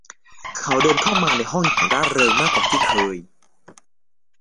เขาเดินเข้ามาในห้องอย่างร่าเริงมากกว่าที่เคย